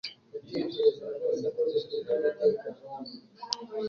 ariko akaza kurivamo ataranije kubera ko mukase